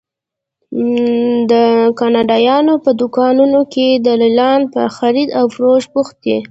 د کاندیدانو په دوکانونو کې دلالان په خرید او فروش بوخت دي.